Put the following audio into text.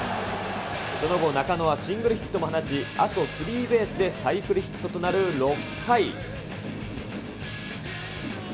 その後、中野はシングルヒットもあとスリーベースでサイクルヒットとなる６回。